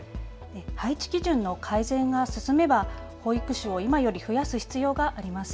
配置基準の改善が進めば保育士を今より増やす必要があります。